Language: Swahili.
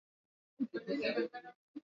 benki kuu inatekeleza majukumu kwa uadilifu